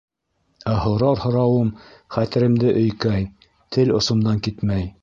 Ә һорар һорауым хәтеремде өйкәй, тел осомдан китмәй: